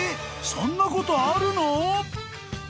そんなことあるの？］